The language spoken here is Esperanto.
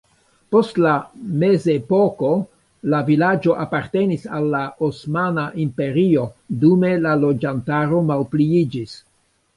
Post la mezepoko la vilaĝo apartenis al la Osmana Imperio, dume la loĝantaro malpliiĝis.